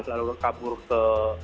lalu kabur ke